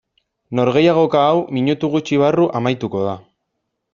Norgehiagoka hau minutu gutxi barru amaituko da.